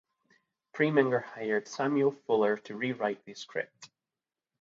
Preminger hired Samuel Fuller to rewrite the script.